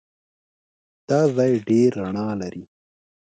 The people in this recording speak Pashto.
دا ځای ډېر رڼا لري.